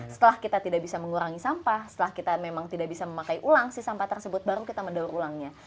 setelah kita tidak bisa mengurangi sampah setelah kita memang tidak bisa memakai ulang si sampah tersebut baru kita mendaur ulangnya